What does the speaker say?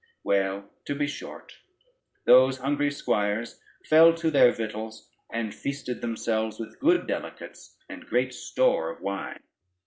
Well, to be short, those hungry squires fell to their victuals, and feasted themselves with good delicates, and great store of wine.